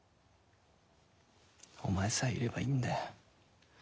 お前さえいればいいんだ。